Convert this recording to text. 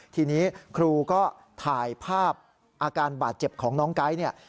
ทีนี้ครูก็ถ่ายภาพอาการบาดเจ็บของน้องไก๊เนี่ย